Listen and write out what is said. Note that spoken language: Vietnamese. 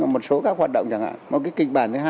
một số các hoạt động chẳng hạn một cái kịch bản thứ hai